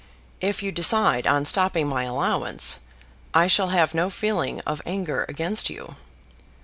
If you decide on stopping my allowance, I shall have no feeling of anger against you.